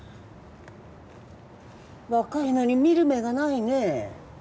若いのに見る目がないねえ。